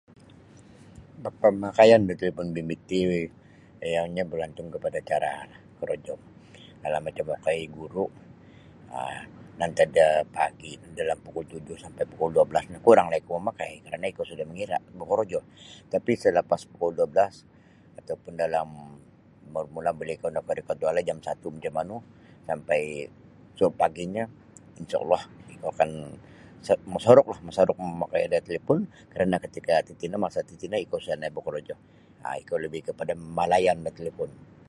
Bab pamakaian biti talipon bimbit ti iyonyo bagantung kapada da cara korojo kalau macam okoi ti guru um nantad da pagi dalam pukul tujuh sampai pukul dua belas no kuranglah ikou mamakai karana ikou sudah mangira bokorojo tapi salapas pukul dua belas atau pun dalam mula-mula ikou nakarikot da walai jam satu macam manu sampai suob paginyo insha Allah ikou akan masaruklah masaruk mamakai da talipon karana katika tatino masa tatino ikou isa nio bokorojo ikou lebih kepada mamalayan da talipon.